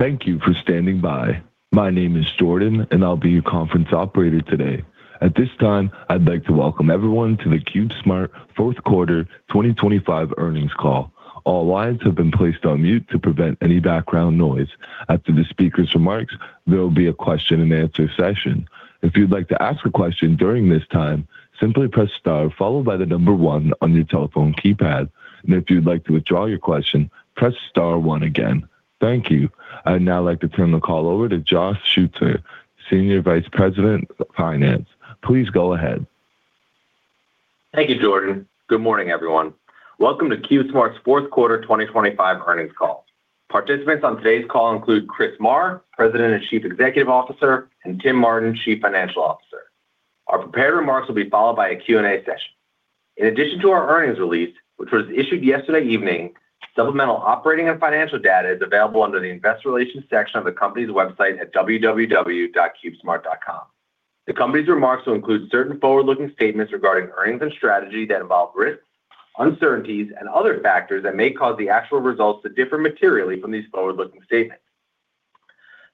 Thank you for standing by. My name is Jordan. I'll be your conference operator today. At this time, I'd like to welcome everyone to the CubeSmart Fourth Quarter 2025 Earnings Call. All lines have been placed on mute to prevent any background noise. After the speaker's remarks, there will be a question and answer session. If you'd like to ask a question during this time, simply press star followed by the number 1 on your telephone keypad. If you'd like to withdraw your question, press star 1 again. Thank you. I'd now like to turn the call over to Josh Schutzer, Senior Vice President of Finance. Please go ahead. Thank you, Jordan. Good morning, everyone. Welcome to CubeSmart's Fourth Quarter 2025 Earnings Call. Participants on today's call include Chris Marr, President and Chief Executive Officer, and Tim Martin, Chief Financial Officer. Our prepared remarks will be followed by a Q&A session. In addition to our earnings release, which was issued yesterday evening, supplemental operating and financial data is available under the Investor Relations section of the company's website at www.cubesmart.com. The company's remarks will include certain forward-looking statements regarding earnings and strategy that involve risks, uncertainties, and other factors that may cause the actual results to differ materially from these forward-looking statements.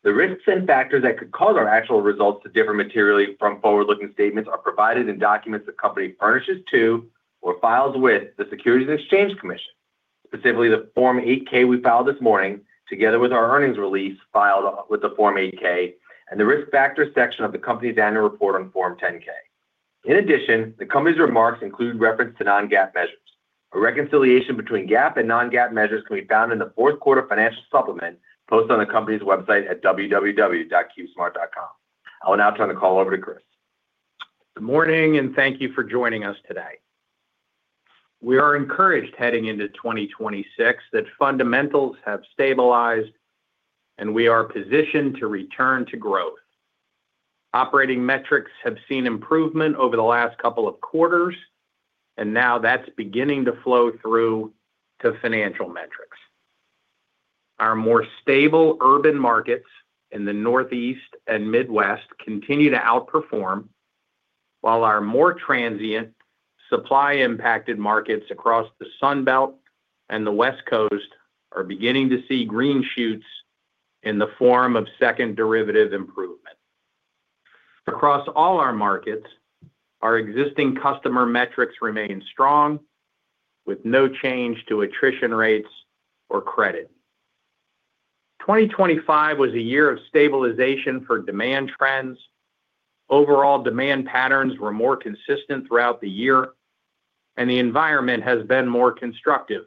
The risks and factors that could cause our actual results to differ materially from forward-looking statements are provided in documents the company furnishes to or files with the Securities and Exchange Commission. Specifically, the Form 8-K we filed this morning, together with our earnings release, filed with the Form 8-K and the Risk Factors section of the company's annual report on Form 10-K. In addition, the company's remarks include reference to non-GAAP measures. A reconciliation between GAAP and non-GAAP measures can be found in the fourth quarter financial supplement posted on the company's website at www.cubesmart.com. I will now turn the call over to Chris. Good morning, and thank you for joining us today. We are encouraged, heading into 2026, that fundamentals have stabilized and we are positioned to return to growth. Operating metrics have seen improvement over the last couple of quarters, and now that's beginning to flow through to financial metrics. Our more stable urban markets in the Northeast and Midwest continue to outperform, while our more transient supply-impacted markets across the Sun Belt and the West Coast are beginning to see green shoots in the form of second derivative improvement. Across all our markets, our existing customer metrics remain strong, with no change to attrition rates or credit. 2025 was a year of stabilization for demand trends. Overall demand patterns were more consistent throughout the year, and the environment has been more constructive,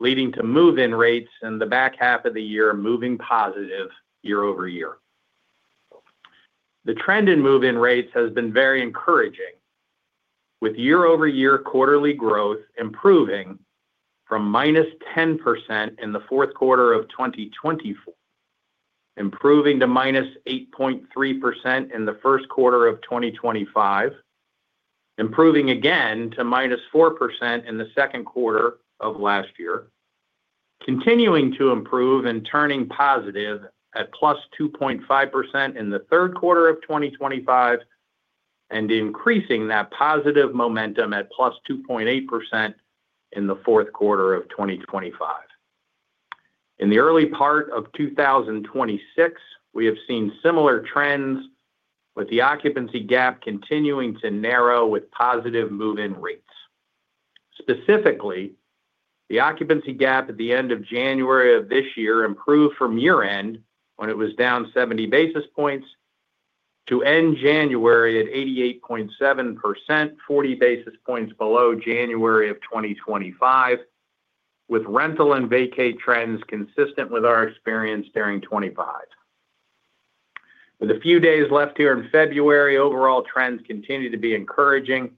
leading to move-in rates in the back half of the year, moving positive year-over-year. The trend in move-in rates has been very encouraging, with year-over-year quarterly growth improving from -10% in the fourth quarter of 2024, improving to -8.3% in the first quarter of 2025, improving again to -4% in the second quarter of last year, continuing to improve and turning positive at +2.5% in the third quarter of 2025, increasing that positive momentum at +2.8% in the fourth quarter of 2025. In the early part of 2026, we have seen similar trends, with the occupancy gap continuing to narrow with positive move-in rates. Specifically, the occupancy gap at the end of January of this year improved from year-end, when it was down 70 basis points, to end January at 88.7%, 40 basis points below January of 2025, with rental and vacate trends consistent with our experience during 2025. With a few days left here in February, overall trends continue to be encouraging,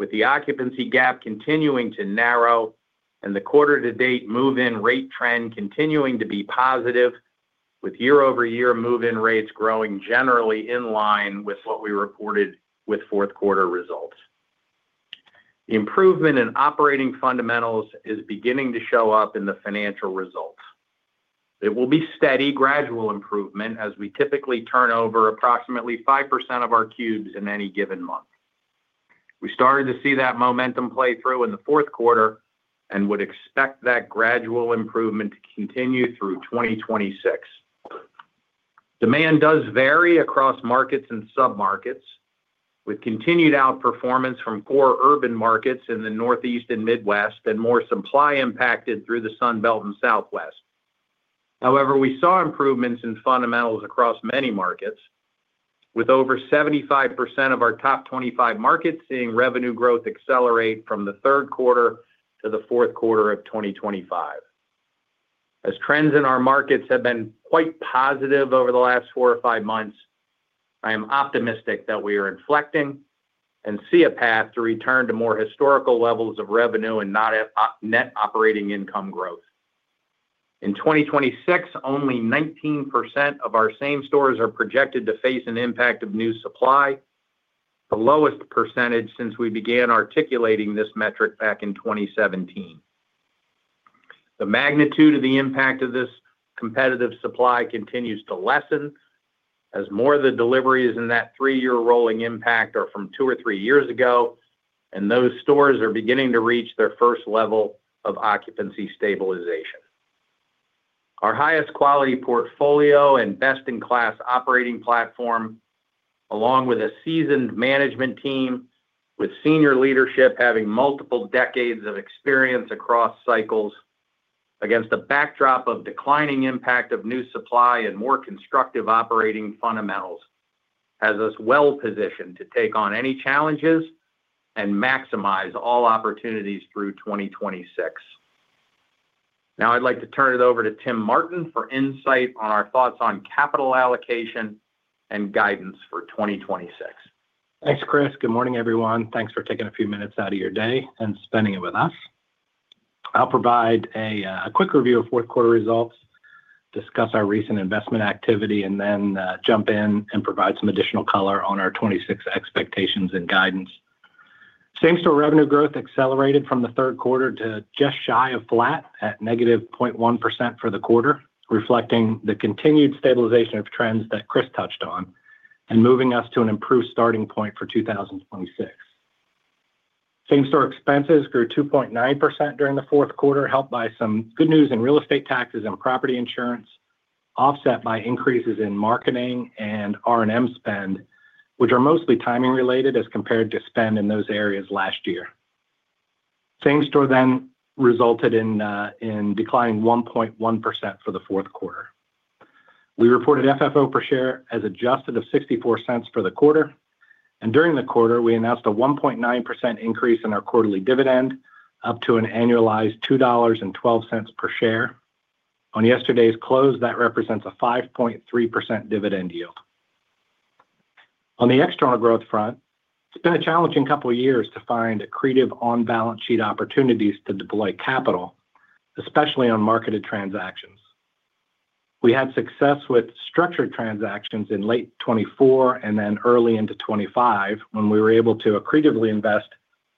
with the occupancy gap continuing to narrow and the quarter-to-date move-in rate trend continuing to be positive, with year-over-year move-in rates growing generally in line with what we reported with fourth quarter results. The improvement in operating fundamentals is beginning to show up in the financial results. It will be steady, gradual improvement, as we typically turn over approximately 5% of our cubes in any given month. We started to see that momentum play through in the 4th quarter and would expect that gradual improvement to continue through 2026. Demand does vary across markets and submarkets, with continued outperformance from core urban markets in the Northeast and Midwest, and more supply impacted through the Sun Belt and Southwest. However, we saw improvements in fundamentals across many markets, with over 75% of our top 25 markets seeing revenue growth accelerate from the 3rd quarter to the 4th quarter of 2025. As trends in our markets have been quite positive over the last 4 or 5 months, I am optimistic that we are inflecting and see a path to return to more historical levels of revenue and not at net operating income growth. In 2026, only 19% of our same stores are projected to face an impact of new supply, the lowest percentage since we began articulating this metric back in 2017. The magnitude of the impact of this competitive supply continues to lessen. As more of the deliveries in that three-year rolling impact are from two or three years ago, and those stores are beginning to reach their first level of occupancy stabilization. Our highest quality portfolio and best-in-class operating platform, along with a seasoned management team, with senior leadership having multiple decades of experience across cycles against a backdrop of declining impact of new supply and more constructive operating fundamentals, has us well positioned to take on any challenges and maximize all opportunities through 2026. Now, I'd like to turn it over to Tim Martin for insight on our thoughts on capital allocation and guidance for 2026. Thanks, Chris. Good morning, everyone. Thanks for taking a few minutes out of your day and spending it with us. I'll provide a quick review of fourth quarter results, discuss our recent investment activity, and then jump in and provide some additional color on our 2026 expectations and guidance. Same-store revenue growth accelerated from the third quarter to just shy of flat at negative 0.1% for the quarter, reflecting the continued stabilization of trends that Chris touched on, moving us to an improved starting point for 2026. Same-store expenses grew 2.9% during the fourth quarter, helped by some good news in real estate taxes and property insurance, offset by increases in marketing and R&M spend, which are mostly timing related as compared to spend in those areas last year. Same-store resulted in declining 1.1% for the fourth quarter. We reported FFO per share as adjusted of $0.64 for the quarter. During the quarter, we announced a 1.9% increase in our quarterly dividend, up to an annualized $2.12 per share. On yesterday's close, that represents a 5.3% dividend yield. On the external growth front, it's been a challenging couple of years to find accretive on-balance sheet opportunities to deploy capital, especially on marketed transactions. We had success with structured transactions in late 2024 and then early into 2025, when we were able to accretively invest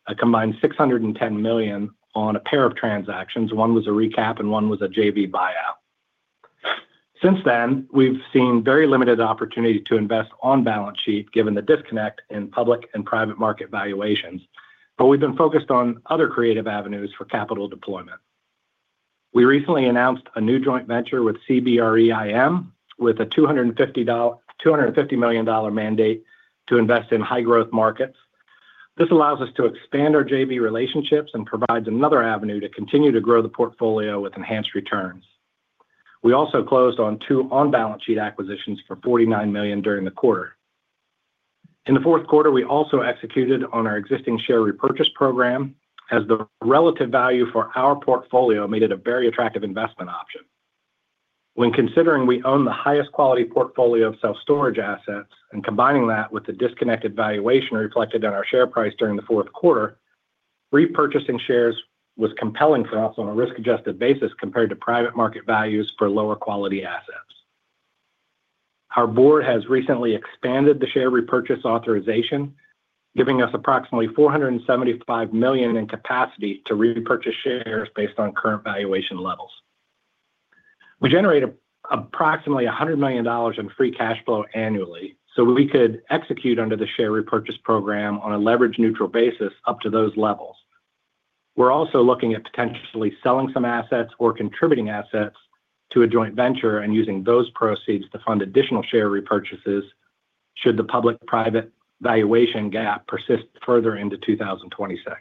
a combined $610 million on a pair of transactions. One was a recap and one was a JV buyout. Since then, we've seen very limited opportunity to invest on balance sheet, given the disconnect in public and private market valuations, but we've been focused on other creative avenues for capital deployment. We recently announced a new joint venture with CBRE IM, with a $250 million mandate to invest in high-growth markets. This allows us to expand our JV relationships and provides another avenue to continue to grow the portfolio with enhanced returns. We also closed on 2 on-balance sheet acquisitions for $49 million during the quarter. In the fourth quarter, we also executed on our existing share repurchase program, as the relative value for our portfolio made it a very attractive investment option. When considering we own the highest quality portfolio of self-storage assets and combining that with the disconnected valuation reflected in our share price during the fourth quarter, repurchasing shares was compelling for us on a risk-adjusted basis compared to private market values for lower quality assets. Our board has recently expanded the share repurchase authorization, giving us approximately $475 million in capacity to repurchase shares based on current valuation levels. We generate approximately $100 million in free cash flow annually, We could execute under the share repurchase program on a leverage neutral basis up to those levels. We're also looking at potentially selling some assets or contributing assets to a joint venture and using those proceeds to fund additional share repurchases should the public-private valuation gap persist further into 2026.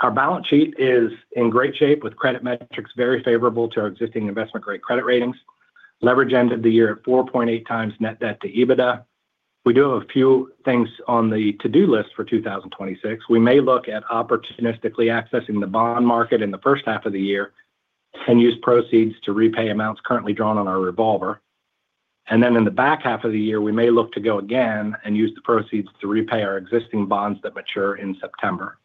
Our balance sheet is in great shape, with credit metrics very favorable to our existing investment-grade credit ratings. Leverage ended the year at 4.8x net debt to EBITDA. We do have a few things on the to-do list for 2026. We may look at opportunistically accessing the bond market in the first half of the year and use proceeds to repay amounts currently drawn on our revolver. In the back half of the year, we may look to go again and use the proceeds to repay our existing bonds that mature in September.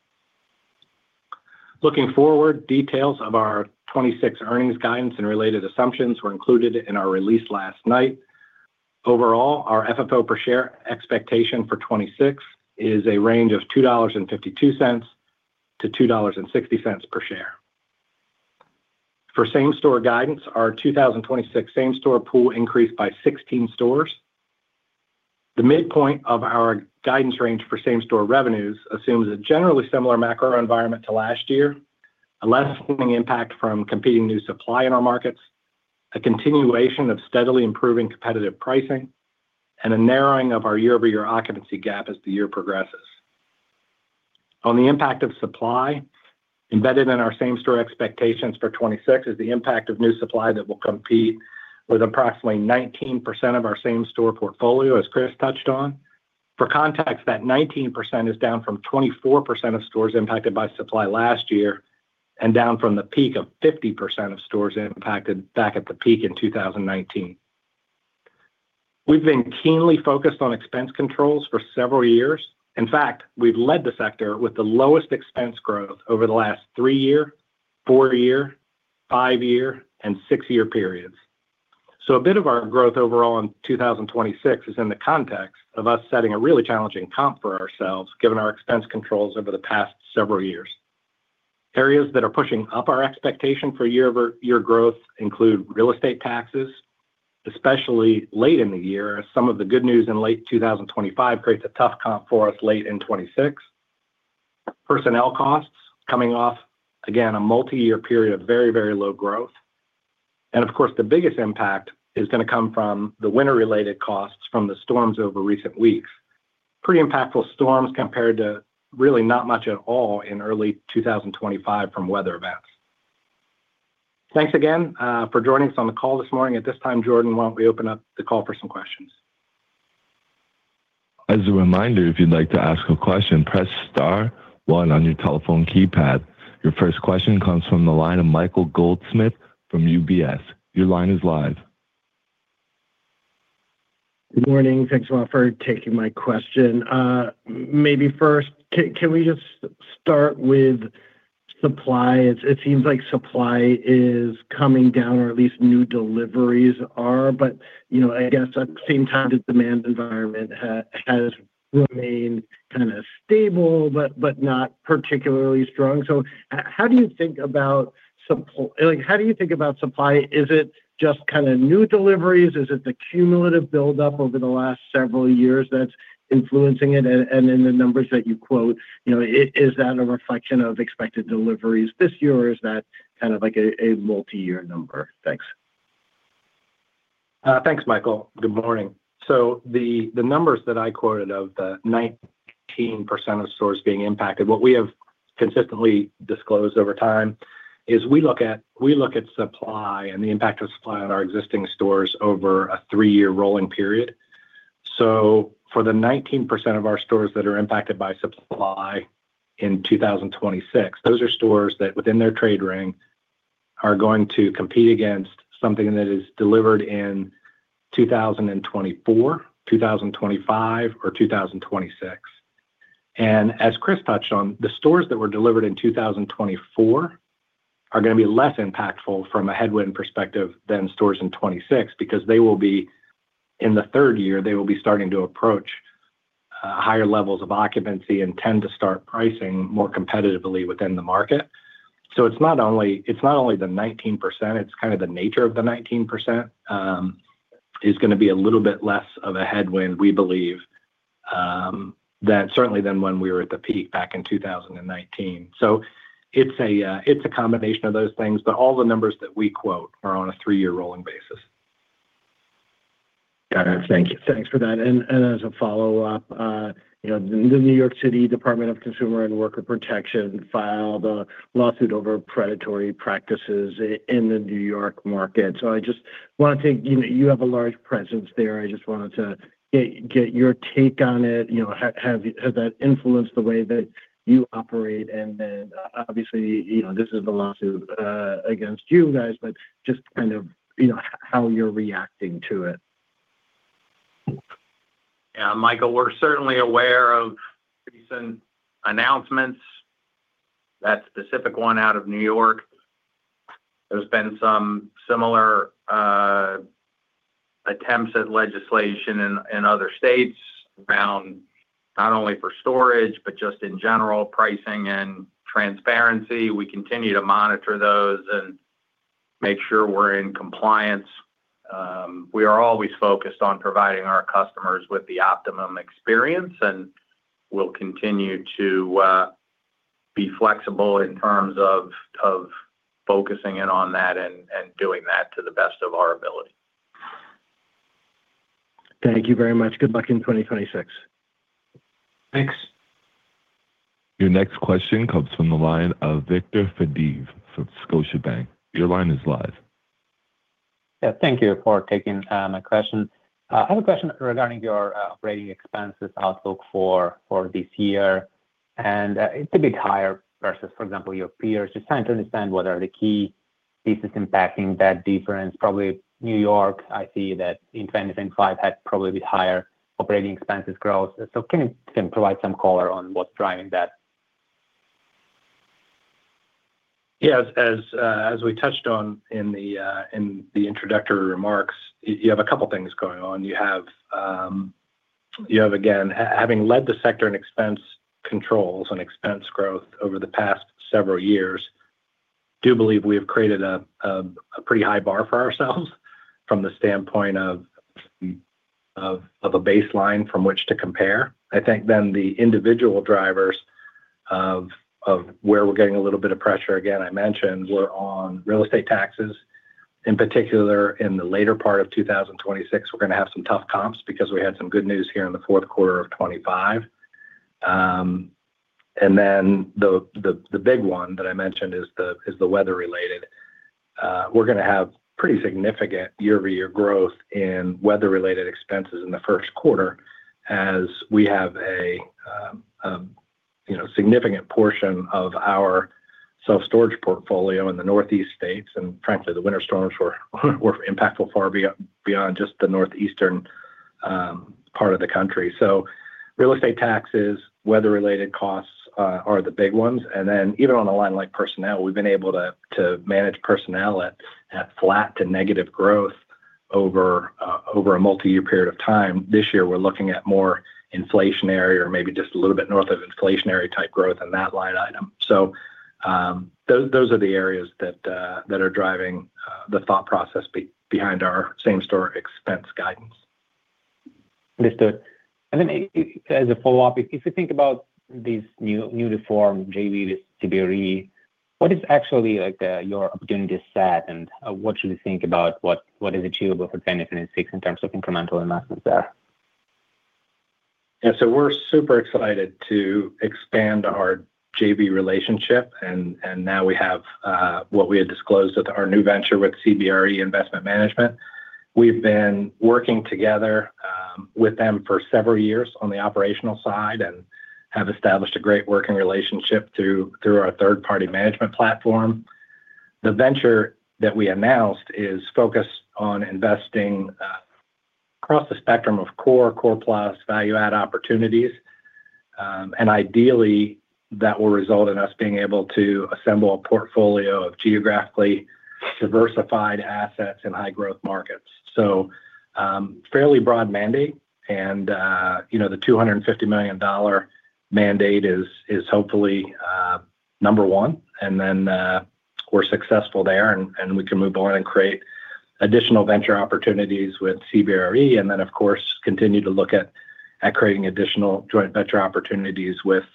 Looking forward, details of our 2026 earnings guidance and related assumptions were included in our release last night. Overall, our FFO per share expectation for 2026 is a range of $2.52-$2.60 per share. For same-store guidance, our 2026 same-store pool increased by 16 stores. The midpoint of our guidance range for same-store revenues assumes a generally similar macro environment to last year, a less impact from competing new supply in our markets, a continuation of steadily improving competitive pricing, and a narrowing of our year-over-year occupancy gap as the year progresses. On the impact of supply, embedded in our same-store expectations for '26 is the impact of new supply that will compete with approximately 19% of our same-store portfolio, as Chris touched on. For context, that 19% is down from 24% of stores impacted by supply last year and down from the peak of 50% of stores impacted back at the peak in 2019. We've been keenly focused on expense controls for several years. In fact, we've led the sector with the lowest expense growth over the last 3 year, 4 year, 5 year, and 6 year periods. A bit of our growth overall in 2026 is in the context of us setting a really challenging comp for ourselves, given our expense controls over the past several years. Areas that are pushing up our expectation for year-over-year growth include real estate taxes, especially late in the year. Some of the good news in late 2025 creates a tough comp for us late in 26. Personnel costs coming off, again, a multi-year period of very, very low growth. Of course, the biggest impact is going to come from the winter-related costs from the storms over recent weeks. Pretty impactful storms compared to really not much at all in early 2025 from weather events. Thanks again, for joining us on the call this morning. At this time, Jordan, why don't we open up the call for some questions? As a reminder, if you'd like to ask a question, press star one on your telephone keypad. Your first question comes from the line of Michael Goldsmith from UBS. Your line is live. Good morning. Thanks a lot for taking my question. maybe first, can we just start with supply? It seems like supply is coming down, or at least new deliveries are. You know, I guess at the same time, the demand environment has remained kind of stable, but not particularly strong. How do you think about supply? Like, how do you think about supply? Is it just kind of new deliveries? Is it the cumulative buildup over the last several years that's influencing it? And in the numbers that you quote, you know, is that a reflection of expected deliveries this year, or is that kind of like a multi-year number? Thanks. Thanks, Michael. Good morning. The numbers that I quoted of the 19% of stores being impacted, what we have consistently disclosed over time is we look at supply and the impact of supply on our existing stores over a three-year rolling period. For the 19% of our stores that are impacted by supply in 2026, those are stores that within their trade ring are going to compete against something that is delivered in 2024, 2025 or 2026. As Chris touched on, the stores that were delivered in 2024 are going to be less impactful from a headwind perspective than stores in 26, because they will be... In the third year, they will be starting to approach higher levels of occupancy and tend to start pricing more competitively within the market. It's not only the 19%, it's kind of the nature of the 19% is gonna be a little bit less of a headwind. We believe that certainly than when we were at the peak back in 2019. It's a combination of those things, but all the numbers that we quote are on a -year rolling basis. Got it. Thank you. Thanks for that. As a follow-up, you know, the New York City Department of Consumer and Worker Protection filed a lawsuit over predatory practices in the New York market. I just want to take... You have a large presence there. I just wanted to get your take on it. You know, has that influenced the way that you operate? Then, obviously, you know, this is a lawsuit against you guys, but just kind of, you know, how you're reacting to it? Michael, we're certainly aware of recent announcements, that specific one out of New York. There's been some similar attempts at legislation in other states around not only for storage, but just in general, pricing and transparency. We continue to monitor those and make sure we're in compliance. We are always focused on providing our customers with the optimum experience, and we'll continue to be flexible in terms of focusing in on that and doing that to the best of our ability. Thank you very much. Good luck in 2026. Thanks. Your next question comes from the line of Viktor Fediv from Scotiabank. Your line is live. Yeah, thank you for taking my question. I have a question regarding your operating expenses outlook for this year. It's a bit higher versus, for example, your peers. Just trying to understand what are the key pieces impacting that difference? Probably New York, I see that in 2025 had probably a bit higher operating expenses growth. Can you provide some color on what's driving that? Yeah. As we touched on in the introductory remarks, you have a couple of things going on. You have, again, having led the sector in expense controls and expense growth over the past several years, I do believe we have created a pretty high bar for ourselves from the standpoint of a baseline from which to compare. I think the individual drivers of where we're getting a little bit of pressure, again, I mentioned, we're on real estate taxes. In particular, in the later part of 2026, we're going to have some tough comps because we had some good news here in the fourth quarter of 2025. The big one that I mentioned is the weather-related. We're going to have pretty significant year-over-year growth in weather-related expenses in the first quarter as we have a, you know, significant portion of our self-storage portfolio in the Northeast states. Frankly, the winter storms were impactful far beyond just the northeastern part of the country. Real estate taxes, weather-related costs are the big ones. Even on the line like personnel, we've been able to manage personnel at flat to negative growth over a multi-year period of time. This year, we're looking at more inflationary or maybe just a little bit north of inflationary type growth in that line item. Those are the areas that are driving the thought process behind our same-store expense guidance. As a follow-up, if you think about these new reform, JV with CBRE, what is actually like, your opportunity set, and what should we think about? What is achievable for benefit and stakes in terms of incremental investments there? We're super excited to expand our JV relationship, and now we have what we had disclosed with our new venture with CBRE Investment Management. We've been working together with them for several years on the operational side and have established a great working relationship through our third-party management platform. The venture that we announced is focused on investing across the spectrum of core plus value-add opportunities. Ideally, that will result in us being able to assemble a portfolio of geographically diversified assets in high-growth markets. Fairly broad mandate, you know, the $250 million mandate is hopefully number one, and then we're successful there, and we can move on and create additional venture opportunities with CBRE. Of course, continue to look at creating additional joint venture opportunities with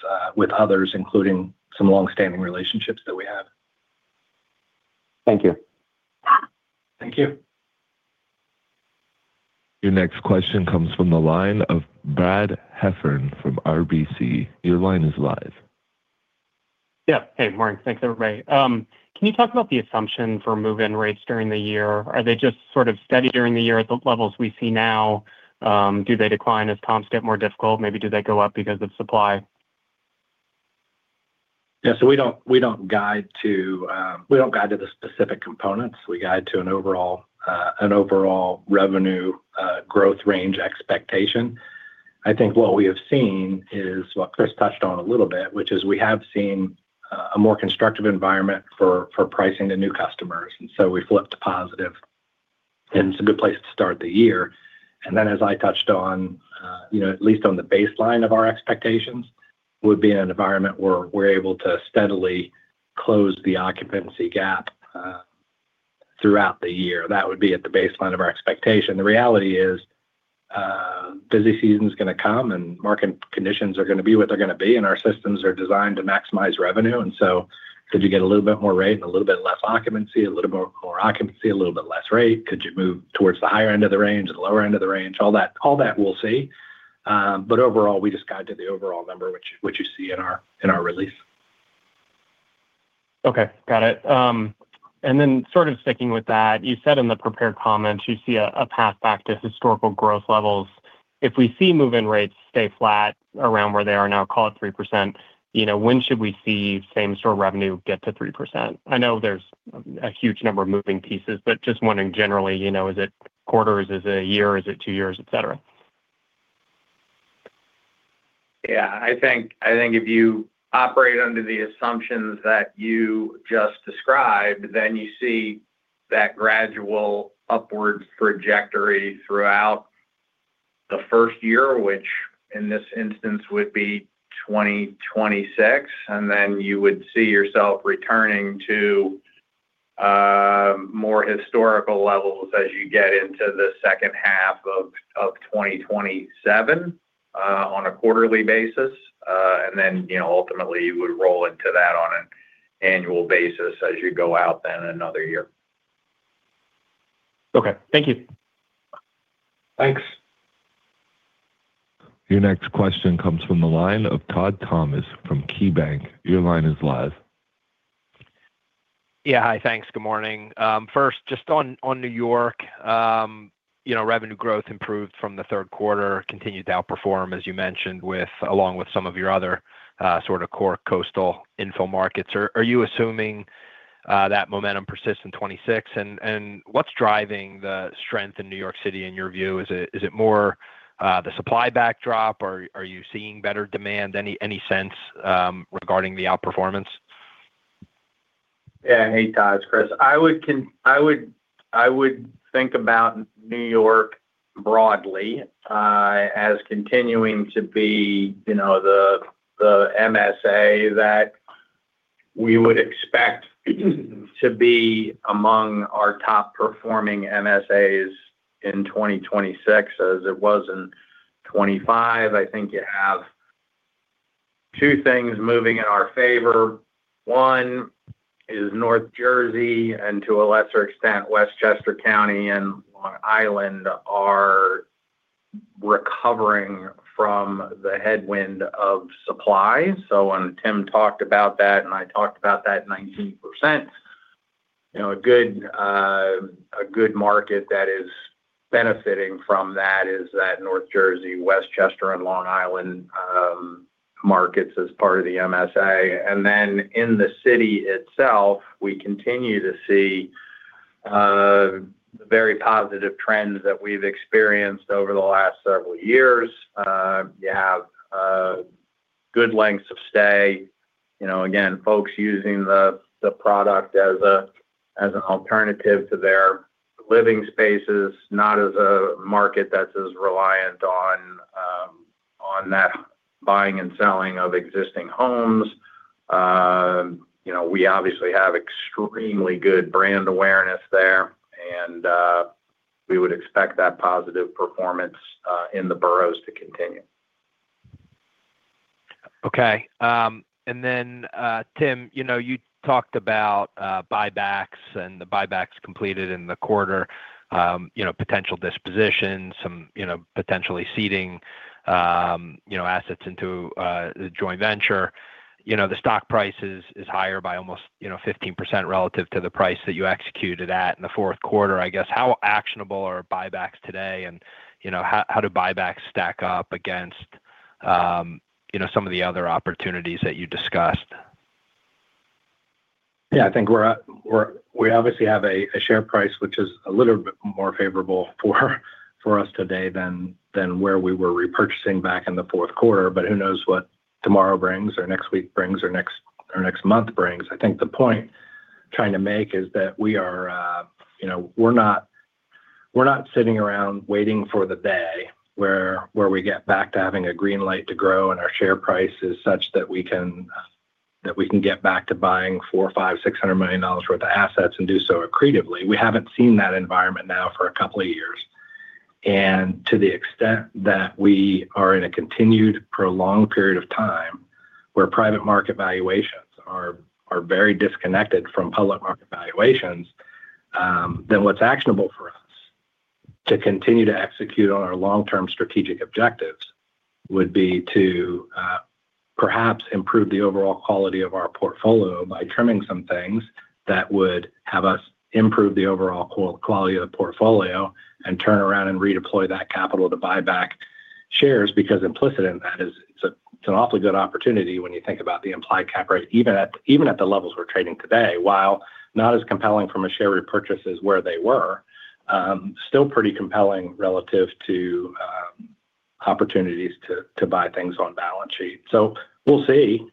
others, including some long-standing relationships that we have. Thank you. Thank you. Your next question comes from the line of Brad Heffern from RBC. Your line is live. Yeah. Hey, morning. Thanks, everybody. Can you talk about the assumption for move-in rates during the year? Are they just sort of steady during the year at the levels we see now? Do they decline as comps get more difficult? Maybe do they go up because of supply? Yeah, we don't guide to the specific components. We guide to an overall, an overall revenue, growth range expectation. I think what we have seen is what Chris touched on a little bit, which is we have seen a more constructive environment for pricing to new customers, we flipped to positive, it's a good place to start the year. As I touched on, you know, at least on the baseline of our expectations, would be in an environment where we're able to steadily close the occupancy gap throughout the year. That would be at the baseline of our expectation. The reality is, busy season is gonna come, market conditions are gonna be what they're gonna be, our systems are designed to maximize revenue. Could you get a little bit more rate and a little bit less occupancy, a little bit more occupancy, a little bit less rate? Could you move towards the higher end of the range, the lower end of the range? All that we'll see. Overall, we just guide to the overall number, which you see in our release. Okay, got it. Sort of sticking with that, you said in the prepared comments you see a path back to historical growth levels. If we see move-in rates stay flat around where they are now, call it 3%, you know, when should we see same-store revenue get to 3%? I know there's a huge number of moving pieces, but just wondering generally, you know, is it quarters, is it a year, is it two years, et cetera? Yeah, I think if you operate under the assumptions that you just described, then you see that gradual upward trajectory throughout the first year, which in this instance would be 2026, and then you would see yourself returning to more historical levels as you get into the second half of 2027, on a quarterly basis. You know, ultimately, you would roll into that on an annual basis as you go out then another year. Okay, thank you. Thanks. Your next question comes from the line of Todd Thomas from KeyBanc. Your line is live. Yeah. Hi, thanks. Good morning. First, just on New York, you know, revenue growth improved from the third quarter, continued to outperform, as you mentioned, along with some of your other, sort of core coastal infill markets. Are, are you assuming that momentum persists in 2026? What's driving the strength in New York City, in your view? Is it, is it more, the supply backdrop, or are you seeing better demand? Any, any sense regarding the outperformance? Yeah. Hey, Todd, it's Chris. I would think about New York broadly, as continuing to be, you know, the MSA that we would expect, to be among our top-performing MSAs in 2026, as it was in 2025. I think you have two things moving in our favor. One is North Jersey, and to a lesser extent, Westchester County and Long Island are recovering from the headwind of supply. When Tim talked about that, and I talked about that 19%, you know, a good market that is benefiting from that is that North Jersey, Westchester, and Long Island markets as part of the MSA. In the city itself, we continue to see very positive trends that we've experienced over the last several years. You have good lengths of stay. You know, again, folks using the product as a, as an alternative to their living spaces, not as a market that's as reliant on that buying and selling of existing homes. You know, we obviously have extremely good brand awareness there, and we would expect that positive performance in the boroughs to continue. Tim, you know, you talked about buybacks and the buybacks completed in the quarter, you know, potential dispositions, some, you know, potentially ceding, you know, assets into the joint venture. You know, the stock price is higher by almost, you know, 15% relative to the price that you executed at in the fourth quarter. I guess, how actionable are buybacks today? You know, how do buybacks stack up against, you know, some of the other opportunities that you discussed? Yeah, I think we obviously have a share price, which is a little bit more favorable for us today than where we were repurchasing back in the fourth quarter, but who knows what tomorrow brings, or next week brings, or next month brings? I think the point I'm trying to make is that we are, you know, we're not sitting around waiting for the day where we get back to having a green light to grow, and our share price is such that we can, that we can get back to buying $400 million, $500 million, $600 million worth of assets and do so accretively. We haven't seen that environment now for a couple of years. To the extent that we are in a continued prolonged period of time where private market valuations are very disconnected from public market valuations, then what's actionable for us to continue to execute on our long-term strategic objectives would be to perhaps improve the overall quality of our portfolio by trimming some things that would have us improve the overall quality of the portfolio and turn around and redeploy that capital to buy back shares. Implicit in that is, it's an awfully good opportunity when you think about the implied cap rate, even at the levels we're trading today. While not as compelling from a share repurchase as where they were, still pretty compelling relative to opportunities to buy things on balance sheet. We'll see.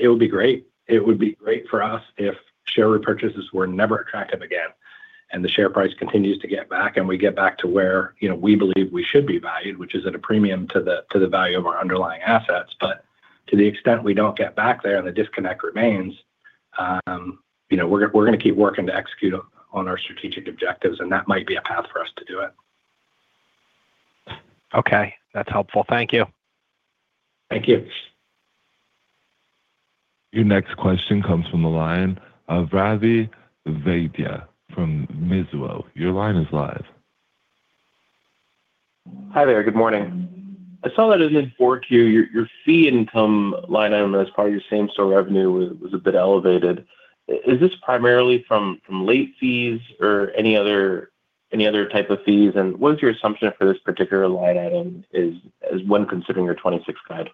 It would be great. It would be great for us if share repurchases were never attractive again. The share price continues to get back, and we get back to where, you know, we believe we should be valued, which is at a premium to the, to the value of our underlying assets. To the extent we don't get back there and the disconnect remains, you know, we're gonna, we're gonna keep working to execute on our strategic objectives. That might be a path for us to do it. Okay, that's helpful. Thank you. Thank you. Your next question comes from the line of Ravi Vaidya from Mizuho. Your line is live. Hi there, good morning. I saw that as in Q4, your fee income line item as part of your same-store revenue was a bit elevated. Is this primarily from late fees or any other type of fees? What is your assumption for this particular line item as when considering your 2026 guide?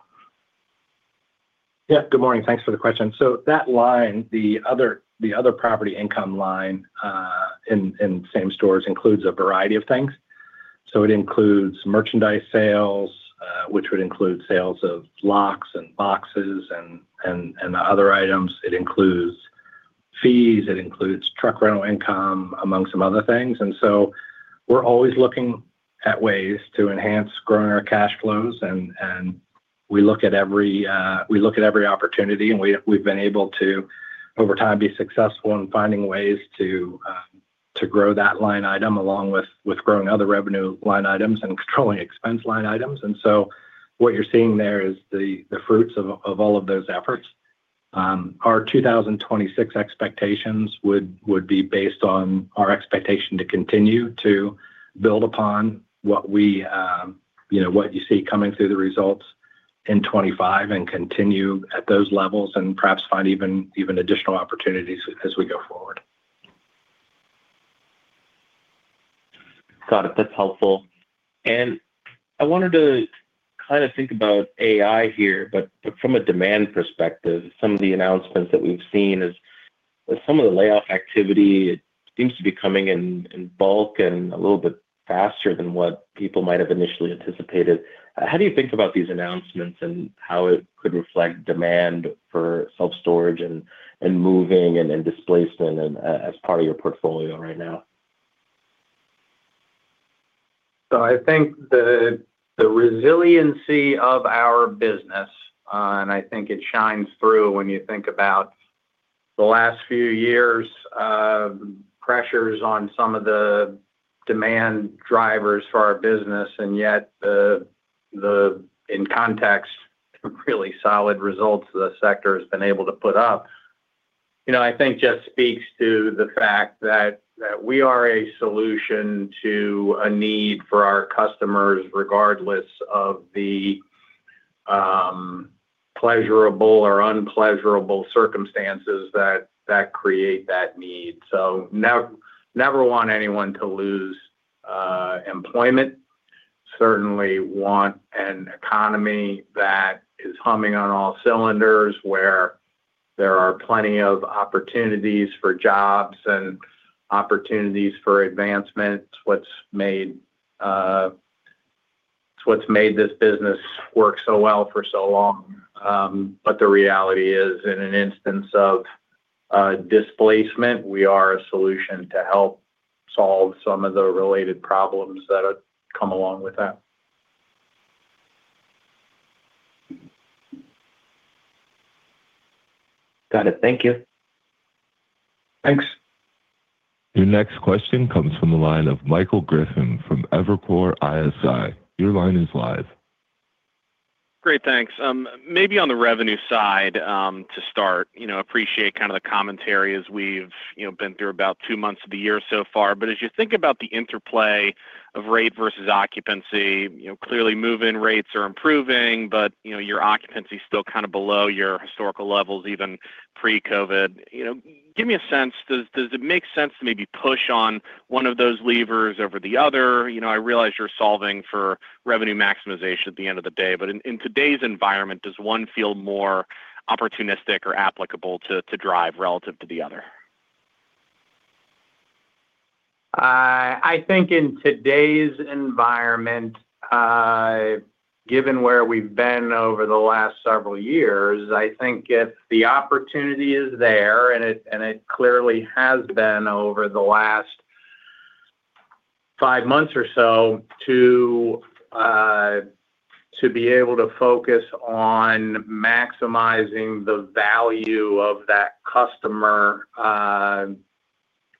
Yeah. Good morning. Thanks for the question. That line, the other, the other property income line, in same stores, includes a variety of things. It includes merchandise sales, which would include sales of locks and boxes and other items. It includes fees, it includes truck rental income, among some other things. We're always looking at ways to enhance growing our cash flows, and we look at every, we look at every opportunity, and we've been able to, over time, be successful in finding ways to grow that line item, along with growing other revenue line items and controlling expense line items. What you're seeing there is the fruits of all of those efforts. Our 2026 expectations would be based on our expectation to continue to build upon what we, you know, what you see coming through the results in 2025 and continue at those levels and perhaps find even additional opportunities as we go forward. Got it. That's helpful. I wanted to kind of think about AI here, but from a demand perspective, some of the announcements that we've seen is that some of the layoff activity, it seems to be coming in bulk and a little bit faster than what people might have initially anticipated. How do you think about these announcements and how it could reflect demand for self-storage and moving and displacement as part of your portfolio right now? I think the resiliency of our business, and I think it shines through when you think about the last few years of pressures on some of the demand drivers for our business, and yet the, in context, really solid results the sector has been able to put up. You know, I think just speaks to the fact that we are a solution to a need for our customers, regardless of the pleasurable or unpleasurable circumstances that create that need. Never want anyone to lose employment. Certainly want an economy that is humming on all cylinders, where. There are plenty of opportunities for jobs and opportunities for advancement. What's made this business work so well for so long, but the reality is, in an instance of displacement, we are a solution to help solve some of the related problems that have come along with that. Got it. Thank you. Thanks. Your next question comes from the line of Michael Griffin from Evercore ISI. Your line is live. Great, thanks. Maybe on the revenue side, to start, you know, appreciate kind of the commentary as we've, you know, been through about two months of the year so far. As you think about the interplay of rate versus occupancy, you know, clearly, move-in rates are improving, but, you know, your occupancy is still kind of below your historical levels, even pre-COVID. You know, give me a sense, does it make sense to maybe push on one of those levers over the other? You know, I realize you're solving for revenue maximization at the end of the day, but in today's environment, does one feel more opportunistic or applicable to drive relative to the other? I think in today's environment, given where we've been over the last several years, I think if the opportunity is there, and it, and it clearly has been over the last five months or so, to be able to focus on maximizing the value of that customer,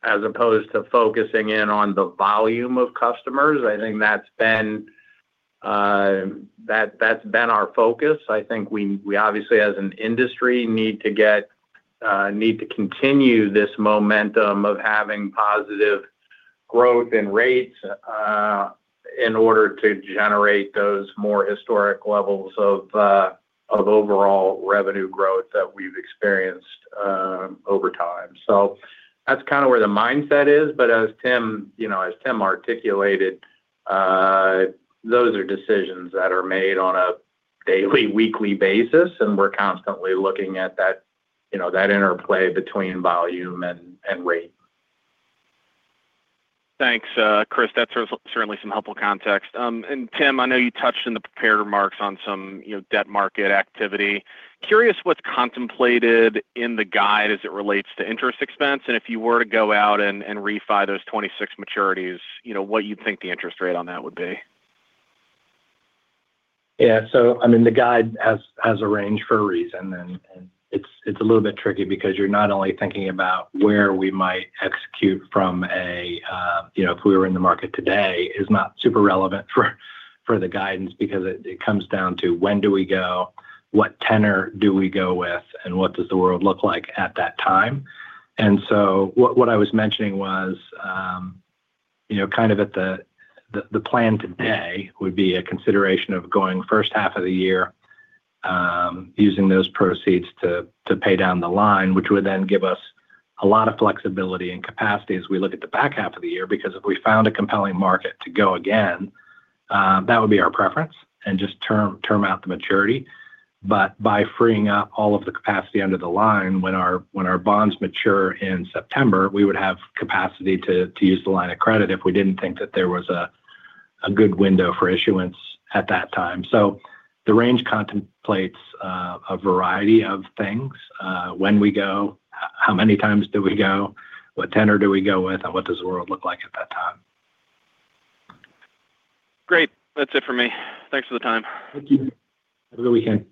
as opposed to focusing in on the volume of customers, I think that's been, that's been our focus. I think we obviously, as an industry, need to get, need to continue this momentum of having positive growth in rates, in order to generate those more historic levels of overall revenue growth that we've experienced over time. That's kind of where the mindset is. As Tim, you know, as Tim articulated, those are decisions that are made on a daily, weekly basis, and we're constantly looking at that, you know, that interplay between volume and rate. Thanks, Chris. That's certainly some helpful context. Tim, I know you touched in the prepared remarks on some, you know, debt market activity. Curious what's contemplated in the guide as it relates to interest expense, and if you were to go out and refi those 2026 maturities, you know, what you'd think the interest rate on that would be? Yeah. I mean, the guide has a range for a reason, it's a little bit tricky because you're not only thinking about where we might execute from a, you know, if we were in the market today is not super relevant for the guidance because it comes down to when do we go, what tenor do we go with, and what does the world look like at that time? What I was mentioning was, you know, kind of at the plan today would be a consideration of going first half of the year, using those proceeds to pay down the line, which would then give us a lot of flexibility and capacity as we look at the back half of the year, because if we found a compelling market to go again, that would be our preference and just term out the maturity. By freeing up all of the capacity under the line, when our bonds mature in September, we would have capacity to use the line of credit if we didn't think that there was a good window for issuance at that time. The range contemplates a variety of things, when we go, how many times do we go? What tenor do we go with, and what does the world look like at that time? Great. That's it for me. Thanks for the time. Thank you. Have a good weekend.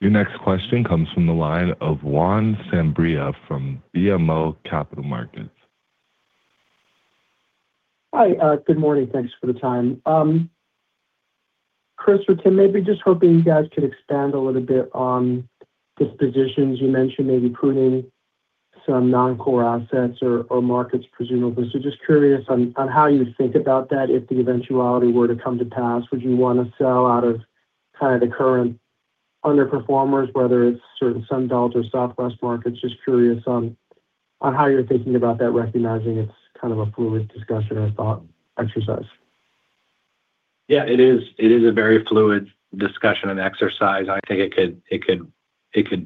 Your next question comes from the line of Juan Sanabria from BMO Capital Markets. Hi. Good morning. Thanks for the time. Chris or Tim, maybe just hoping you guys could expand a little bit on dispositions. You mentioned maybe pruning some non-core assets or markets, presumably. Just curious on how you think about that. If the eventuality were to come to pass, would you want to sell out of kind of the current underperformers, whether it's certain Sunbelt or Southwest markets? Just curious on how you're thinking about that, recognizing it's kind of a fluid discussion or thought exercise. Yeah, it is. It is a very fluid discussion and exercise. I think it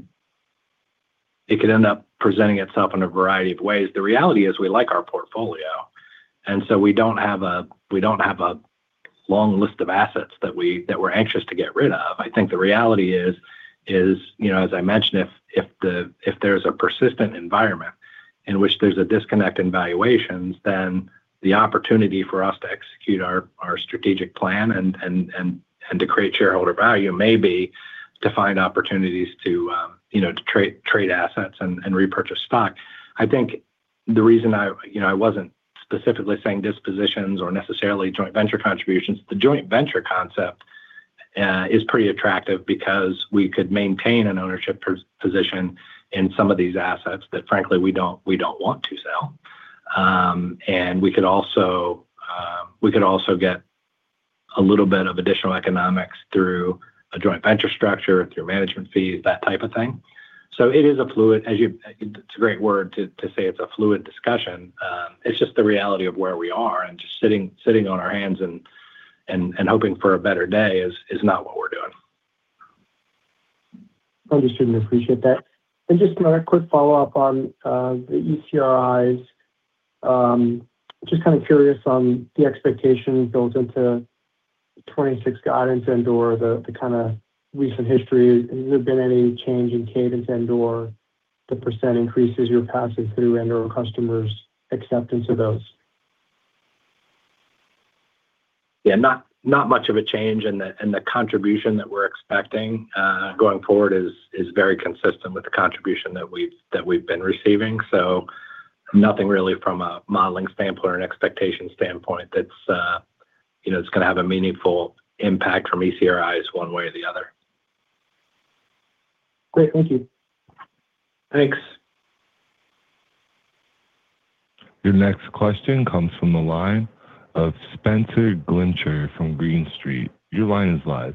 could end up presenting itself in a variety of ways. The reality is, we like our portfolio. We don't have a long list of assets that we're anxious to get rid of. I think the reality is, you know, as I mentioned, if there's a persistent environment in which there's a disconnect in valuations, then the opportunity for us to execute our strategic plan and to create shareholder value may be to find opportunities to, you know, to trade assets and repurchase stock. I think the reason I, you know, I wasn't specifically saying dispositions or necessarily joint venture contributions. The joint venture concept is pretty attractive because we could maintain an ownership position in some of these assets that, frankly, we don't, we don't want to sell. And we could also, we could also get a little bit of additional economics through a joint venture structure, through management fees, that type of thing. It is a fluid, as you it's a great word to say it's a fluid discussion. It's just the reality of where we are, and just sitting on our hands and hoping for a better day is not what we're doing. Understood. Appreciate that. Just another quick follow-up on the ECRI. Just kind of curious on the expectation built into 2026 guidance and/or the kinda recent history. Has there been any change in cadence and/or the % increases you're passing through and/or customers acceptance of those? Yeah, not much of a change, and the contribution that we're expecting going forward is very consistent with the contribution that we've been receiving. Nothing really from a modeling standpoint or an expectation standpoint that's, you know, it's gonna have a meaningful impact from ECRI one way or the other. Great. Thank you. Thanks. Your next question comes from the line of Spenser Glimcher from Green Street. Your line is live.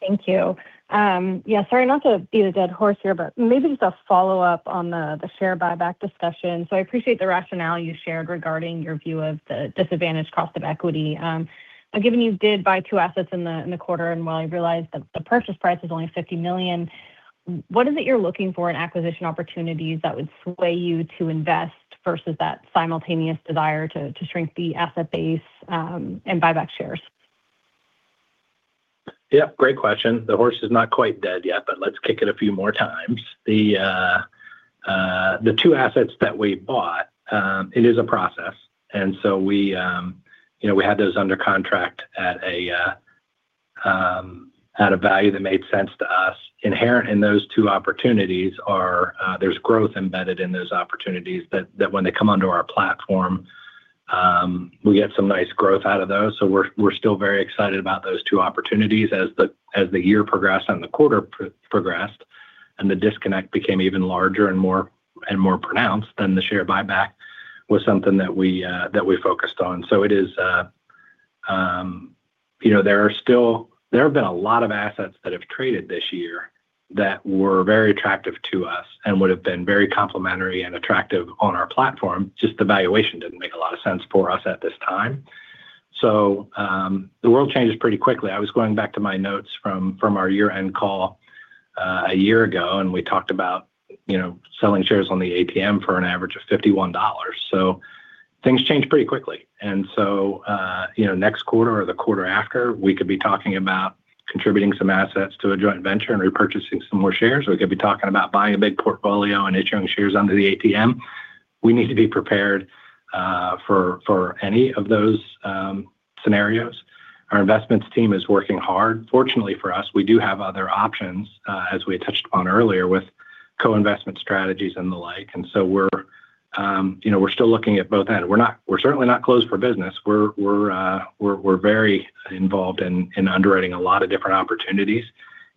Thank you. Sorry, not to beat a dead horse here, but maybe just a follow-up on the share buyback discussion. I appreciate the rationale you shared regarding your view of the disadvantaged cost of equity. Given you did buy two assets in the, in the quarter, and while I realize that the purchase price is only $50 million, what is it you're looking for in acquisition opportunities that would sway you to invest versus that simultaneous desire to shrink the asset base, and buyback shares? Yeah, great question. The horse is not quite dead yet, but let's kick it a few more times. The two assets that we bought, it is a process, we, you know, we had those under contract at a value that made sense to us. Inherent in those two opportunities are, there's growth embedded in those opportunities that when they come onto our platform, we get some nice growth out of those. We're still very excited about those two opportunities as the year progressed and the quarter progressed, and the disconnect became even larger and more pronounced than the share buyback was something that we focused on. It is. You know, there have been a lot of assets that have traded this year that were very attractive to us and would have been very complimentary and attractive on our platform. Just the valuation didn't make a lot of sense for us at this time. The world changes pretty quickly. I was going back to my notes from our year-end call, a year ago, and we talked about, you know, selling shares on the ATM for an average of $51. Things change pretty quickly. You know, next quarter or the quarter after, we could be talking about contributing some assets to a joint venture and repurchasing some more shares, or we could be talking about buying a big portfolio and issuing shares under the ATM. We need to be prepared for any of those scenarios. Our investments team is working hard. Fortunately for us, we do have other options, as we touched upon earlier, with co-investment strategies and the like. So we're, you know, we're still looking at both ends. We're certainly not closed for business. We're, we're very involved in underwriting a lot of different opportunities.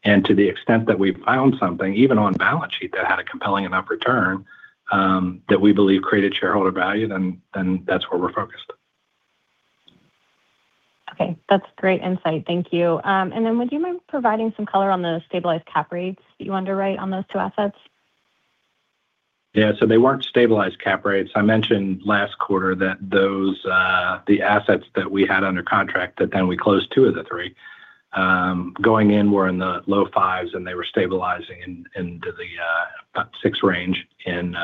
To the extent that we've found something, even on balance sheet, that had a compelling enough return, that we believe created shareholder value, then that's where we're focused. Okay, that's great insight. Thank you. Then would you mind providing some color on the stabilized cap rates that you underwrite on those two assets? Yeah. They weren't stabilized cap rates. I mentioned last quarter that those, the assets that we had under contract, that then we closed two of the three, going in were in the low fives, and they were stabilizing in, into the, about six range in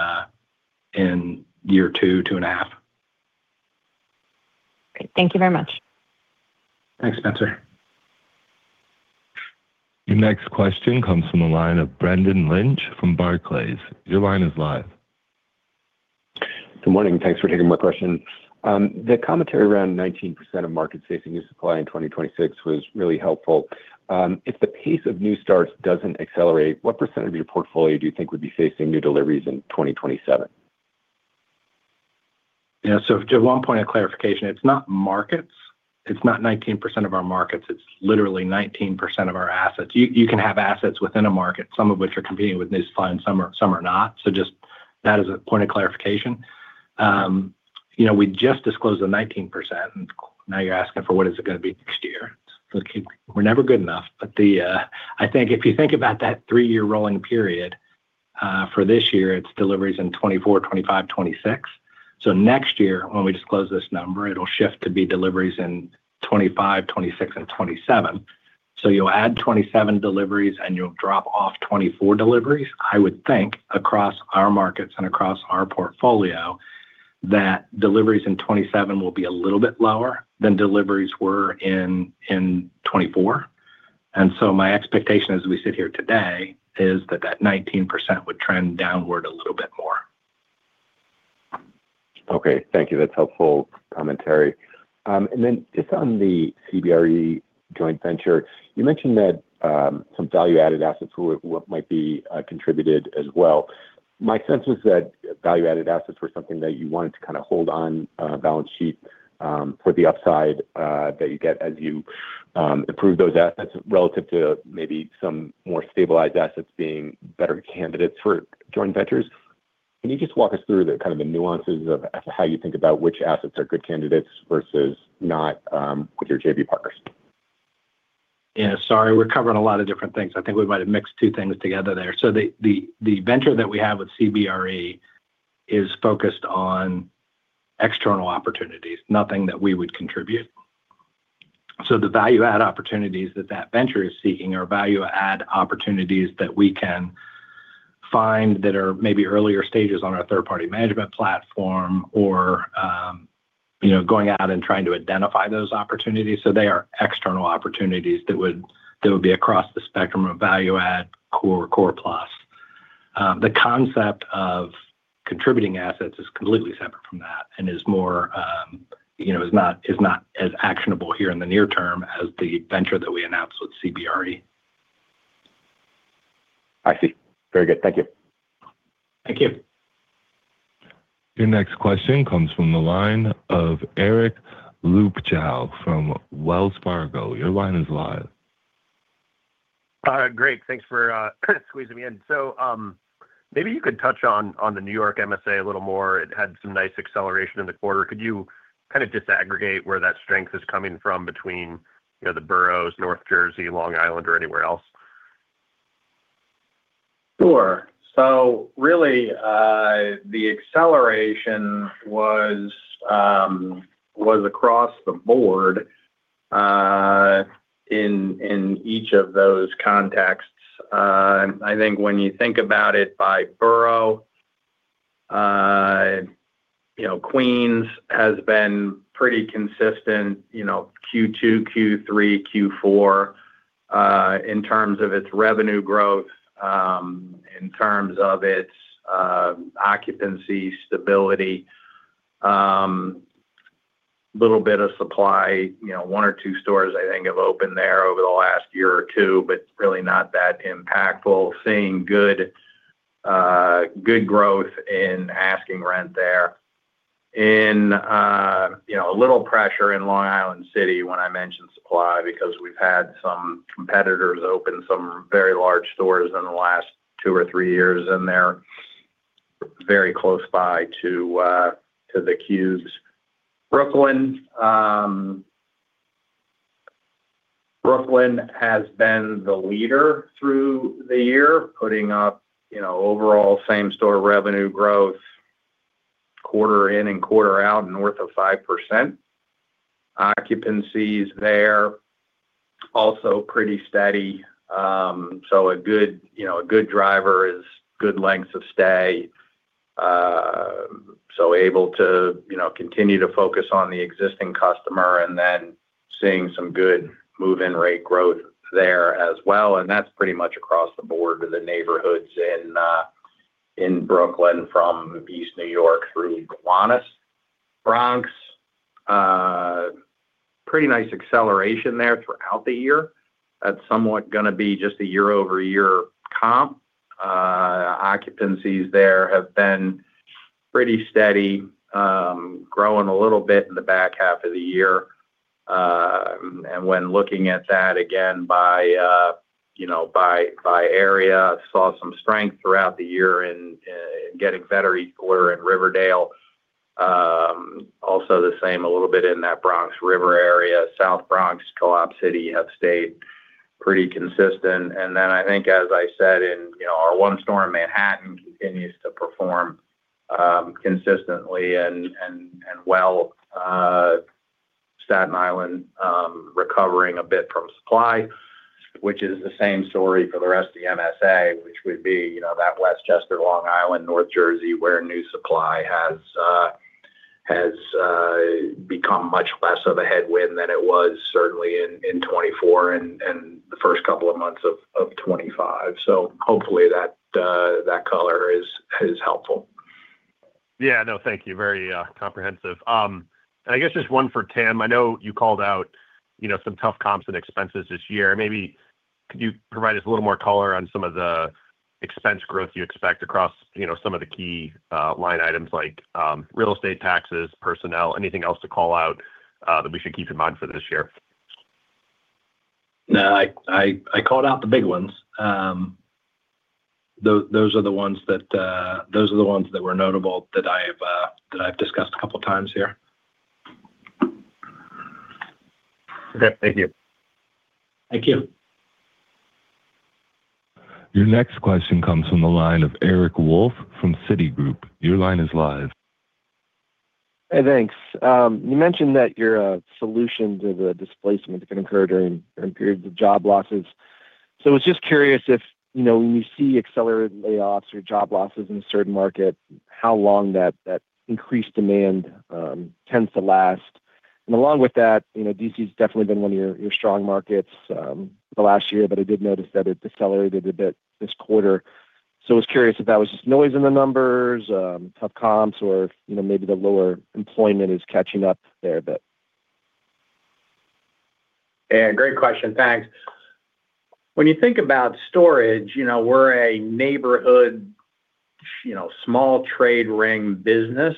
year two-two and a half. Great. Thank you very much. Thanks, Spenser. Your next question comes from the line of Brendan Lynch from Barclays. Your line is live. Good morning, thanks for taking my question. The commentary around 19% of market-facing new supply in 2026 was really helpful. If the pace of new starts doesn't accelerate, what percentage of your portfolio do you think would be facing new deliveries in 2027? Just one point of clarification, it's not markets. It's not 19% of our markets, it's literally 19% of our assets. You can have assets within a market, some of which are competing with new supply, and some are, some are not. Just that as a point of clarification. You know, we just disclosed the 19%, and now you're asking for what is it gonna be next year? We're never good enough, but the... I think if you think about that three-year rolling period, for this year, it's deliveries in 2024, 2025, 2026. Next year, when we disclose this number, it'll shift to be deliveries in 2025, 2026, and 2027. You'll add 2027 deliveries, and you'll drop off 2024 deliveries. I would think across our markets and across our portfolio, that deliveries in 2027 will be a little bit lower than deliveries were in 2024. My expectation as we sit here today is that 19% would trend downward a little bit more. Okay. Thank you. That's helpful commentary. Then just on the CBRE joint venture, you mentioned that some value-added assets what might be contributed as well. My sense was that value-added assets were something that you wanted to kind of hold on balance sheet for the upside that you get as you improve those assets relative to maybe some more stabilized assets being better candidates for joint ventures. Can you just walk us through the kind of the nuances of how you think about which assets are good candidates versus not, with your JV partners? Yeah, sorry, we're covering a lot of different things. I think we might have mixed two things together there. The venture that we have with CBRE is focused on external opportunities, nothing that we would contribute. The value add opportunities that venture is seeking are value add opportunities that we can find that are maybe earlier stages on our third-party management platform or, you know, going out and trying to identify those opportunities. They are external opportunities that would be across the spectrum of value add, core plus. The concept of contributing assets is completely separate from that and is more, you know, is not as actionable here in the near term as the venture that we announced with CBRE. I see. Very good. Thank you. Thank you. Your next question comes from the line of Eric Luebchow from Wells Fargo. Your line is live. Great. Thanks for squeezing me in. Maybe you could touch on the New York MSA a little more. It had some nice acceleration in the quarter. Could you kind of disaggregate where that strength is coming from between, you know, the boroughs, North Jersey, Long Island, or anywhere else? Sure. Really, the acceleration was across the board in each of those contexts. I think when you think about it by borough, you know, Queens has been pretty consistent, you know, Q2, Q3, Q4, in terms of its revenue growth, in terms of its occupancy, stability, little bit of supply. You know, one or two stores, I think, have opened there over the last year or two, but really not that impactful. Seeing good growth in asking rent there. You know, a little pressure in Long Island City when I mention supply, because we've had some competitors open some very large stores in the last two or three years, and they're very close by to the Qs. Brooklyn has been the leader through the year, putting up, you know, overall same-store revenue growth, quarter in and quarter out, north of 5%. Occupancies there, also pretty steady. A good, you know, a good driver is good lengths of stay. Able to, you know, continue to focus on the existing customer and then seeing some good move-in rate growth there as well, and that's pretty much across the board with the neighborhoods in Brooklyn from East New York through Gowanus. Bronx, pretty nice acceleration there throughout the year. That's somewhat gonna be just a year-over-year comp. Occupancies there have been pretty steady, growing a little bit in the back half of the year. And when looking at again by area, saw some strength throughout the year, getting better each quarter in Riverdale. Also the same, a little bit in that Bronx River area. South Bronx, Co-op City have stayed pretty consistent. Then I think as I said, you know, our one store in Manhattan continues to perform consistently and well. Staten Island recovering a bit from supply, which is the same story for the rest of the MSA, which would be, you know, that Westchester, Long Island, North Jersey, where new supply has become much less of a headwind than it was certainly in 2024 and the first couple of months of 2025. Hopefully that color is helpful Yeah. No, thank you. Very comprehensive. I guess just one for Tim. I know you called out, you know, some tough comps and expenses this year. Maybe could you provide us a little more color on some of the expense growth you expect across, you know, some of the key line items like real estate taxes, personnel, anything else to call out that we should keep in mind for this year? No, I called out the big ones. Those are the ones that, those are the ones that were notable that I've, that I've discussed a couple of times here. Okay. Thank you. Thank you. Your next question comes from the line of Eric Wolfe from Citigroup. Your line is live. Hey, thanks. You mentioned that you're a solution to the displacement that can occur during periods of job losses. I was just curious if, you know, when you see accelerated layoffs or job losses in a certain market, how long that increased demand tends to last? Along with that, you know, D.C. has definitely been one of your strong markets the last year, but I did notice that it decelerated a bit this quarter. I was curious if that was just noise in the numbers, tough comps, or if, you know, maybe the lower employment is catching up there a bit. Yeah, great question. Thanks. When you think about storage, you know, we're a neighborhood, you know, small trade ring business.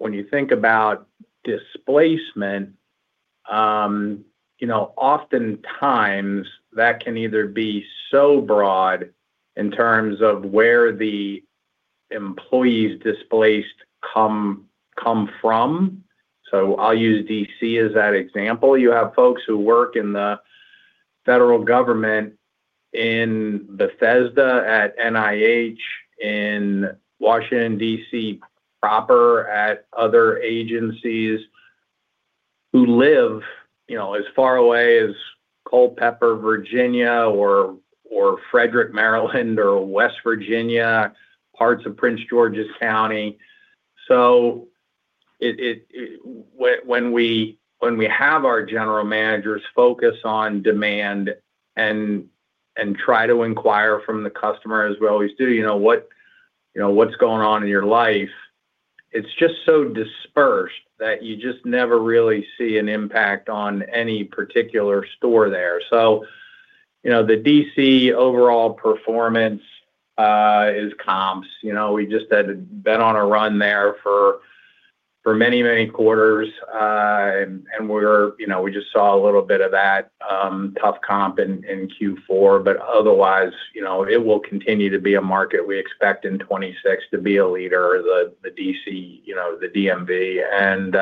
When you think about displacement, you know, oftentimes that can either be so broad in terms of where the employees displaced come from. I'll use D.C. as that example. You have folks who work in the federal government in Bethesda, at NIH, in Washington, D.C., proper, at other agencies who live, you know, as far away as Culpeper, Virginia, or Frederick, Maryland, or West Virginia, parts of Prince George's County. It, when we have our general managers focus on demand and try to inquire from the customer as we always do, you know, what, you know, what's going on in your life? It's just so dispersed that you just never really see an impact on any particular store there. You know, the D.C. overall performance is comps. You know, we just had been on a run there for many, many quarters, and we're, you know, we just saw a little bit of that tough comp in Q4. Otherwise, you know, it will continue to be a market we expect in 2026 to be a leader, the D.C., you know, the D.M.V., and,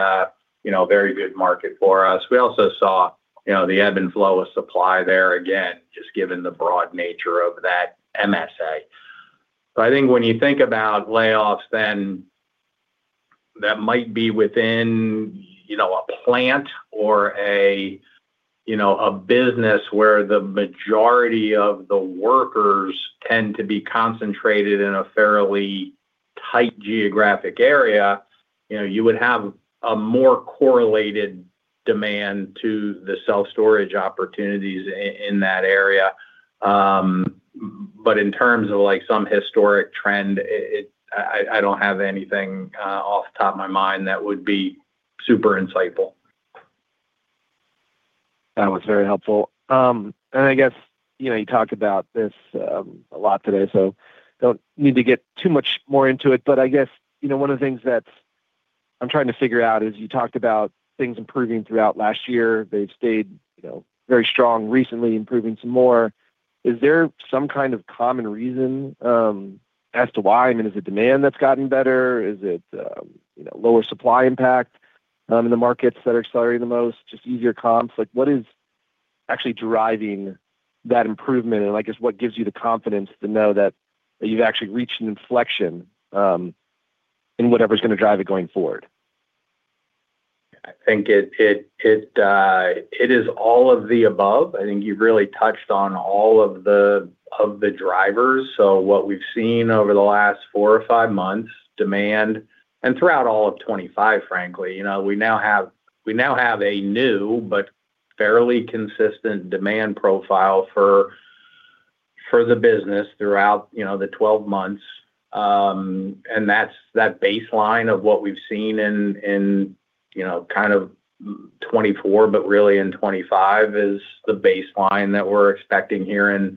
you know, a very good market for us. We also saw, you know, the ebb and flow of supply there again, just given the broad nature of that M.S.A. I think when you think about layoffs, then that might be within, you know, a plant or a, you know, a business where the majority of the workers tend to be concentrated in a fairly tight geographic area. You know, you would have a more correlated demand to the self-storage opportunities in that area. In terms of, like, some historic trend, it, I don't have anything off the top of my mind that would be super insightful. That was very helpful. I guess, you know, you talked about this, a lot today, so don't need to get too much more into it. I guess, you know, one of the things that I'm trying to figure out is, you talked about things improving throughout last year. They've stayed, you know, very strong, recently improving some more. Is there some kind of common reason, as to why? I mean, is it demand that's gotten better? Is it, you know, lower supply impact, in the markets that are accelerating the most, just easier comps? Like, what is actually driving that improvement, and I guess, what gives you the confidence to know that you've actually reached an inflection, in whatever's gonna drive it going forward? I think it is all of the above. I think you've really touched on all of the drivers. What we've seen over the last four or five months, demand, and throughout all of 2025, frankly, you know, we now have, we now have a new but fairly consistent demand profile for the business throughout, you know, the 12 months. And that baseline of what we've seen in, you know, kind of 2024, but really in 2025, is the baseline that we're expecting here in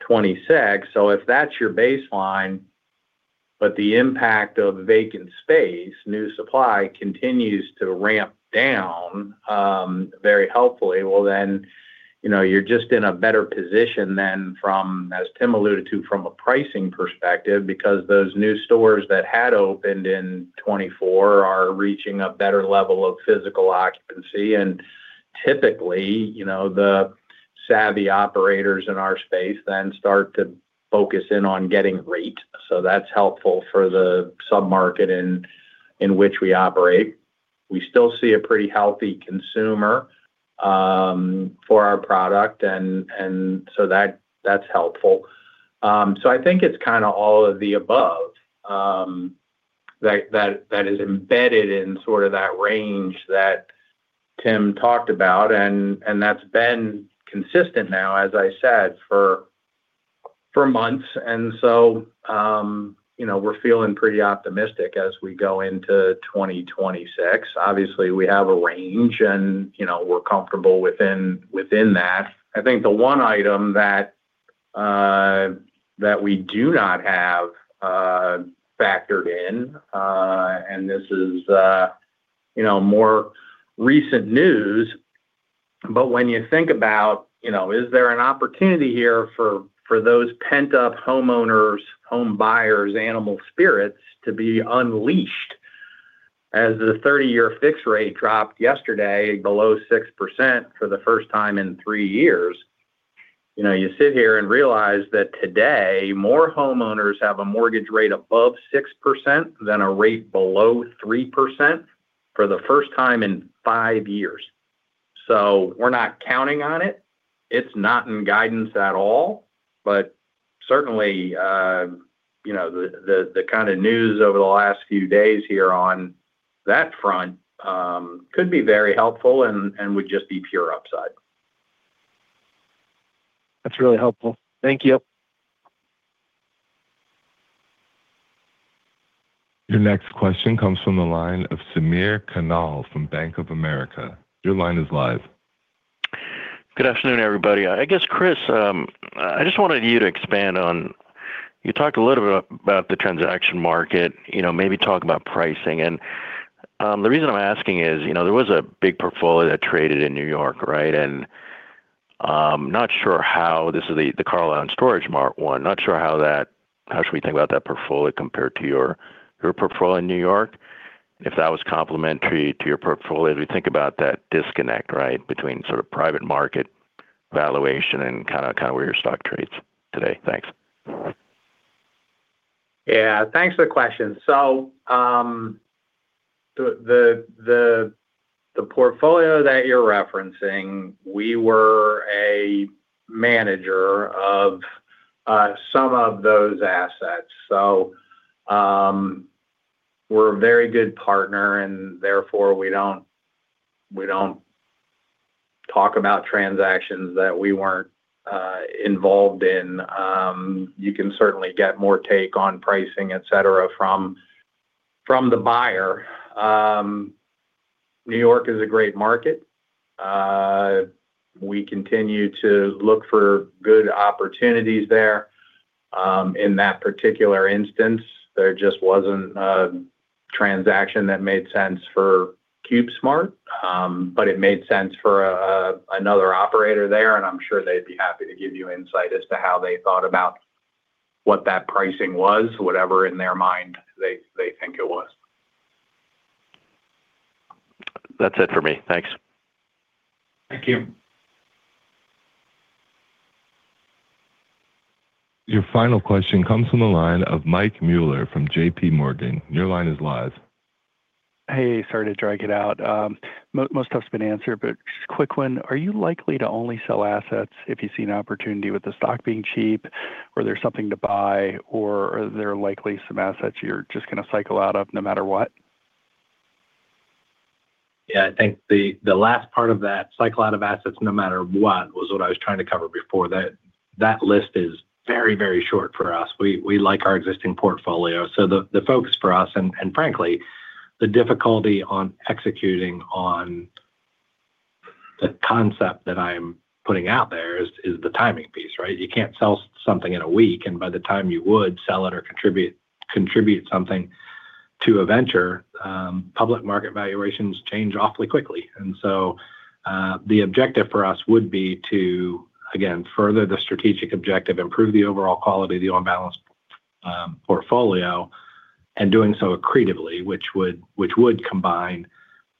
2026. If that's your baseline, but the impact of vacant space, new supply, continues to ramp down, very helpfully, well, then, you know, you're just in a better position than from, as Tim alluded to, from a pricing perspective, because those new stores that had opened in 2024 are reaching a better level of physical occupancy. Typically, you know, the savvy operators in our space then start to focus in on getting rate. That's helpful for the sub-market in which we operate. We still see a pretty healthy consumer, for our product, and so that's helpful. So I think it's kinda all of the above that is embedded in sort of that range that Tim talked about, and that's been consistent now, as I said, for months. You know, we're feeling pretty optimistic as we go into 2026. Obviously, we have a range and, you know, we're comfortable within that. I think the one item that we do not have factored in, and this is, you know, more recent news, but when you think about, you know, is there an opportunity here for those pent-up homeowners, home buyers, animal spirits to be unleashed as the 30-year fixed rate dropped yesterday below 6% for the first time in three years? You know, you sit here and realize that today, more homeowners have a mortgage rate above 6% than a rate below 3% for the first time in five years. We're not counting on it. It's not in guidance at all, but certainly, you know, the kind of news over the last few days here on that front, could be very helpful and would just be pure upside. That's really helpful. Thank you. Your next question comes from the line of Samir Khanal from Bank of America. Your line is live. Good afternoon, everybody. I guess, Chris, I just wanted you to expand on, you talked a little bit about the transaction market, you know, maybe talk about pricing. The reason I'm asking is, you know, there was a big portfolio that traded in New York, right? I'm not sure how this is the Carlyle StorageMart one. How should we think about that portfolio compared to your portfolio in New York, and if that was complementary to your portfolio, as we think about that disconnect, right? Between sort of private market valuation and kinda where your stock trades today. Thanks. Thanks for the question. The portfolio that you're referencing, we were a manager of some of those assets. We're a very good partner, and therefore, we don't talk about transactions that we weren't involved in. You can certainly get more take on pricing, et cetera, from the buyer. New York is a great market. We continue to look for good opportunities there. In that particular instance, there just wasn't a transaction that made sense for CubeSmart, but it made sense for another operator there, and I'm sure they'd be happy to give you insight as to how they thought about what that pricing was, whatever in their mind they think it was. That's it for me. Thanks. Thank you. Your final question comes from the line of Mike Mueller from JPMorgan. Your line is live. Hey, sorry to drag it out. Most stuff's been answered, just a quick one: Are you likely to only sell assets if you see an opportunity with the stock being cheap, or there's something to buy, or are there likely some assets you're just gonna cycle out of no matter what? Yeah, I think the last part of that, cycle out of assets no matter what, was what I was trying to cover before. That list is very, very short for us. We like our existing portfolio, so the focus for us, and frankly, the difficulty on executing on the concept that I'm putting out there is the timing piece, right? You can't sell something in a week, and by the time you would sell it or contribute something to a venture, public market valuations change awfully quickly. The objective for us would be to, again, further the strategic objective, improve the overall quality of the on-balance portfolio, and doing so accretively, which would combine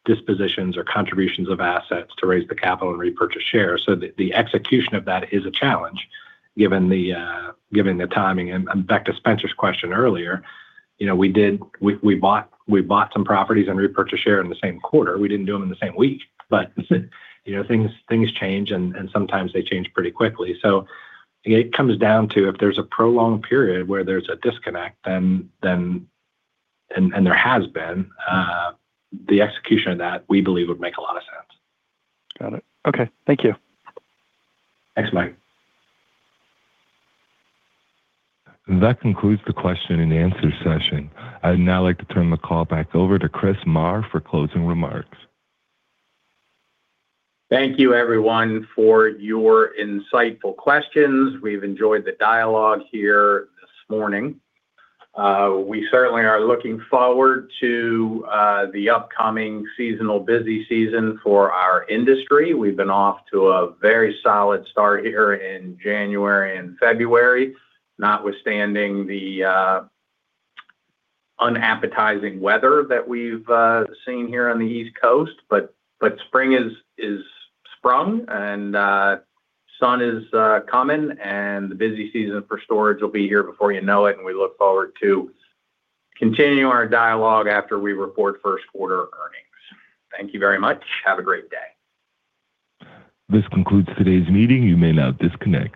dispositions or contributions of assets to raise the capital and repurchase shares. The execution of that is a challenge, given the timing. Back to Spenser's question earlier, you know, we bought, we bought some properties and repurchased share in the same quarter. We didn't do them in the same week, but, you know, things change, and sometimes they change pretty quickly. It comes down to if there's a prolonged period where there's a disconnect, then. There has been the execution of that, we believe, would make a lot of sense. Got it. Okay. Thank you. Thanks, Mike. That concludes the question and answer session. I'd now like to turn the call back over to Christopher Meagher for closing remarks. Thank you, everyone, for your insightful questions. We've enjoyed the dialogue here this morning. We certainly are looking forward to the upcoming seasonal busy season for our industry. We've been off to a very solid start here in January and February, notwithstanding the unappetizing weather that we've seen here on the East Coast. Spring is sprung and sun is coming, and the busy season for storage will be here before you know it, and we look forward to continuing our dialogue after we report first quarter earnings. Thank you very much. Have a great day. This concludes today's meeting. You may now disconnect.